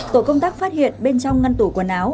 tổ công tác phát hiện bên trong ngăn tủ quần áo